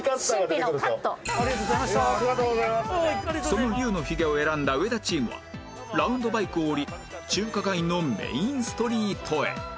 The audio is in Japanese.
その龍のひげを選んだ上田チームはラウンドバイクを降り中華街のメインストリートへ